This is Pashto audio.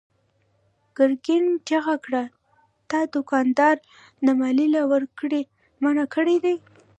ګرګين چيغه کړه: تا دوکانداران د ماليې له ورکړې منع کړي دي.